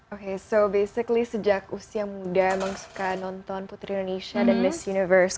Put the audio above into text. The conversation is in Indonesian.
oke so basically sejak usia muda memang suka nonton putri indonesia dan miss universe